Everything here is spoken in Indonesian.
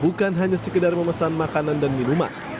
bukan hanya sekedar memesan makanan dan minuman